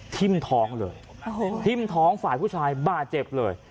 ทิ้มท้องเลยทิ้มท้องฝ่ายผู้ชายบาดเจ็บเลย